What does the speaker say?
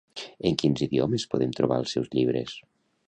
En quins idiomes podem trobar els seus llibres?